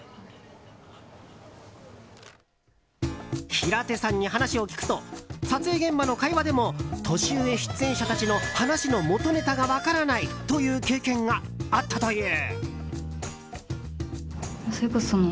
平手さんに話を聞くと撮影現場の会話でも年上出演者たちの話の元ネタが分からないという経験があったという。